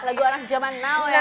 lagu anak zaman now ya